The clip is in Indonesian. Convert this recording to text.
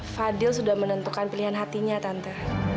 fadil sudah menentukan pilihan hatinya tante